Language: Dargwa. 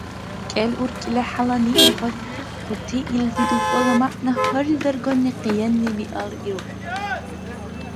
КӀел уркӀила хӀялани иргъахъути илди дугьбала мягӀна гьарил дарганни къиянни-биалра иргъу.